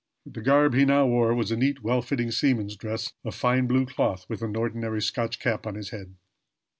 The garb he now wore was a neat, well fitting seaman's dress, of fine blue cloth, with an ordinary Scotch cap on his head.